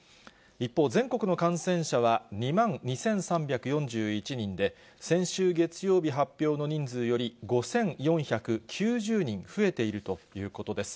一方、全国の感染者は２万２３４１人で、先週月曜日発表の人数より５４９０人増えているということです。